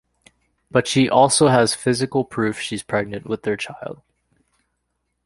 But she also has physical proof-she's pregnant with their child.